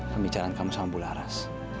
pembicaraan kamu sama bularas